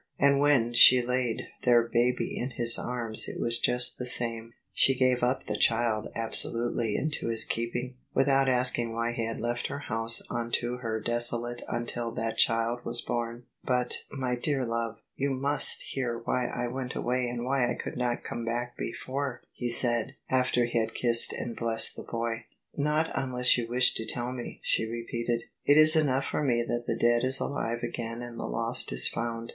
And when she laid their baby in his arms it wa^ just the same. She gave up the child absolutely into his keeping, without asking why he had left her house imto her desolate until that child was bom. " But, my dear love, you must hear why I went away and why I could not come back before," he said, after he had kissed and blessed the boy. " Not unless you wish to tell me," she repeated. " It is enough for me that the dead is alive again and the lost is found."